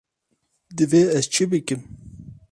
Divê ez çi bikim.